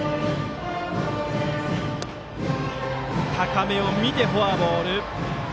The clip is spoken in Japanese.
高めを見てフォアボール。